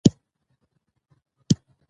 چې هېڅکله له خپل ورور څخه دفاع نه کوم.